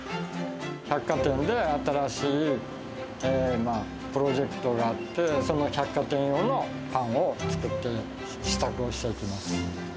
百貨店で新しいプロジェクトがあって、その百貨店用のパンを作って、試作をしていきます。